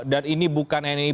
dan ini bukan nii